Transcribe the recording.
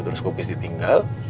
terus kukis ditinggal